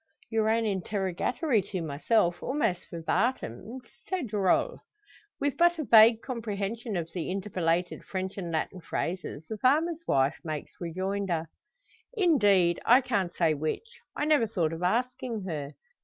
Your own interrogatory to myself almost verbatim c'est drole!" With but a vague comprehension of the interpolated French and Latin phrases, the farmer's wife makes rejoinder: "Indeed, I can't say which. I never thought of asking her.